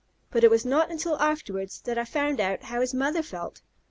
But it was not until afterwards that I found out how his mother felt.